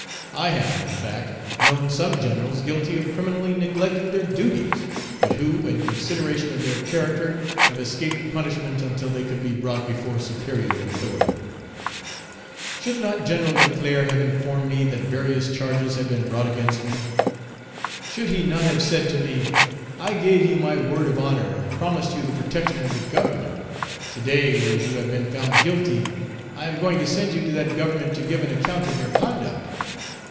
I have, in fact, known some generals guilty of criminally neglecting their duties, but who, in consideration of their character, have escaped punishment until they could be brought before superior authority. Should not Gen. Leclerc have informed me that various charges had been brought against me? Should he not have said to me, "I gave you my word of honor and promised you the protection of the Government; to day, as you have been found guilty, I am going to send you to that government to give an account of your conduct"?